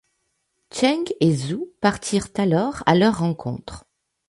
Cheng et Zhou partirent alors à leur rencontre.